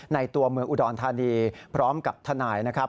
ในตัวเมืองอุดรธานีพร้อมกับทนายนะครับ